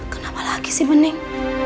kenapa lagi sih bening